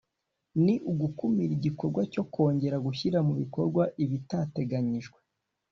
Ni ugukumira igikorwa cyo kongera gushyira mu bikorwa ibitateganyijwe